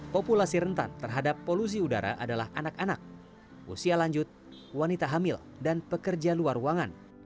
populasi rentan terhadap polusi udara adalah anak anak usia lanjut wanita hamil dan pekerja luar ruangan